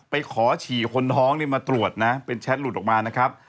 ไปขอฉีคนท้องนี่มาตรวจนะ